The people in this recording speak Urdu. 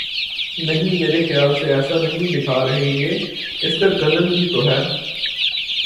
نہیں میرے خیال سے ایسا نہیں دکھا رہے یہ اس کا کزن بھی تو ہے